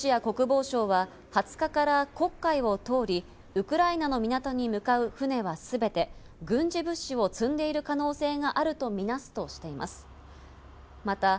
ロシア国防相は２０日から黒海を通り、ウクライナの港に向かう船は全て軍事物資を積んでいる可能性があるとみなすとしています。